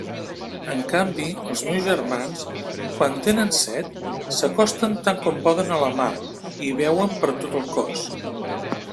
En canvi, els meus germans, quan tenen set, s'acosten tant com poden a la mar i beuen per tot el cos.